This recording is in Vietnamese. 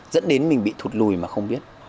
dẫn đến mình bị thụt lùi mà không biết